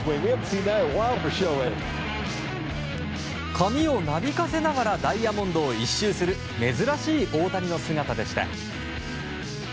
髪をなびかせながらダイヤモンドを１周する珍しい大谷の姿でした。